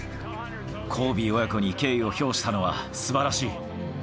コービー親子に敬意を表したのはすばらしい。